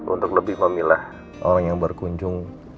untuk lebih memilah orang yang berkunjung